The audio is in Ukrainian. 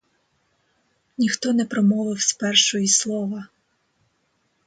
Ніхто не промовив спершу й слова.